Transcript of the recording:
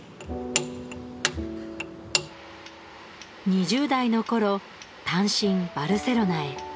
２０代の頃単身バルセロナへ。